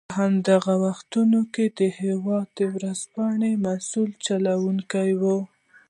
په همدغو وختونو کې د هېواد ورځپاڼې مسوول چلوونکی و.